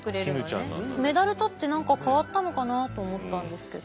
メダル取って何か変わったのかなと思ったんですけど。